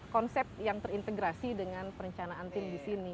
konsep yang terintegrasi dengan perencanaan tim di sini